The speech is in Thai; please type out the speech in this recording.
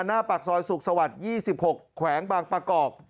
หน้าปากซอยสุขสวรรค์๒๖แขวงบางประกอบ